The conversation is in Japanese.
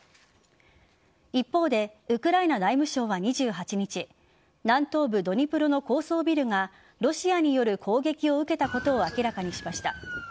一方でウクライナ内務省は２８日南東部・ドニプロの高層ビルがロシアによる攻撃を受けたことを明らかにしました。